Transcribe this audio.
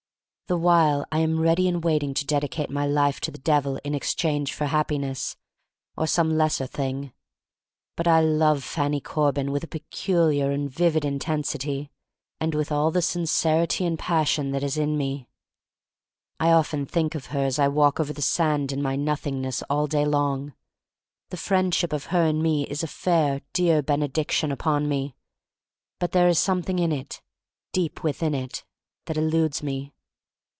The while I am ready and waiting to dedicate my life to the Devil in ex change for Happiness — or some lesser thing. But I love Fannie Corbin with a peculiar and vivid intensity, and with all the sincerity and passion that is in me. Often I think of her, as I walk over the sand in my Nothingness, all day long. The Friendship of her and me is a fair, dear benediction upon me, but there is something in it — deep within it — that eludes me.